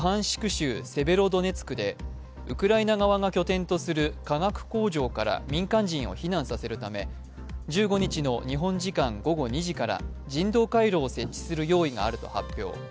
州セベロドネツクでウクライナ側が拠点とする化学工場から民間人を避難させるため、１５日の日本時間午後２時から人道回廊を設置する用意があると発表。